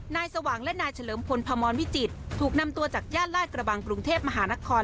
สว่างและนายเฉลิมพลพมรวิจิตรถูกนำตัวจากย่านลาดกระบังกรุงเทพมหานคร